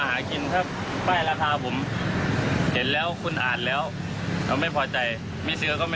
เขาลงมานี่คือผมบอกเลยบอกเลยว่าโลละ๔๐บาทครับ